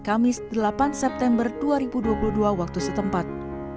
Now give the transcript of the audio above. kamis delapan september dua ribu dua puluh dua waktu setempat